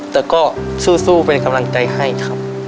แต่ก็สู้เป็นกำลังใจให้ครับ